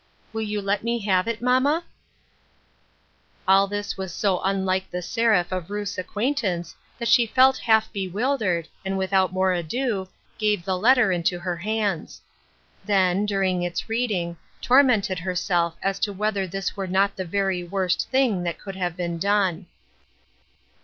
Will you let me have it, mamma ?" All this was so unlike the Seraph of Ruth's acquaintance that she felt half bewildered, and without more ado, gave the letter into her hands. Then, during its reading, tormented herself as to whether this were not the very worst thing that could have been done.